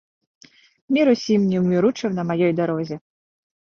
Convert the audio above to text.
Мір усім неўміручым на маёй дарозе!